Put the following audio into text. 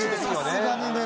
さすがにね